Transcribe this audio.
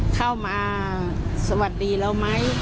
เข้ามาสวัสดีเราไหม